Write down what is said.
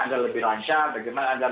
agar lebih lancar bagaimana agar